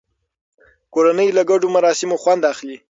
کورنۍ له ګډو مراسمو خوند اخلي